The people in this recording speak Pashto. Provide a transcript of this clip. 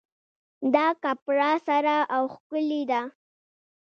دا کپړه سره او ښکلې ده